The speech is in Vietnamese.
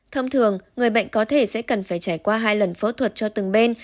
thông thường người bệnh có thể sẽ cần phải trải qua hai lần phẫu thuật cho từng bên